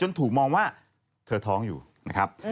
ถูกมองว่าเธอท้องอยู่นะครับ